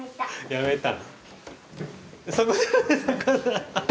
やめた？